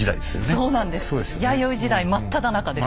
そうなんです。